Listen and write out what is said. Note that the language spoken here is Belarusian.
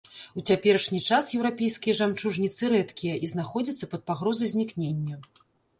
У цяперашні час еўрапейскія жамчужніцы рэдкія і знаходзяцца пад пагрозай знікнення.